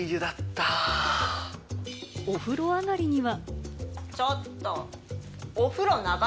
お風呂上がりには。